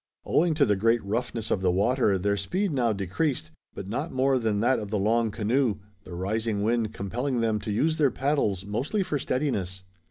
Owing to the great roughness of the water their speed now decreased, but not more than that of the long canoe, the rising wind compelling them to use their paddles mostly for steadiness.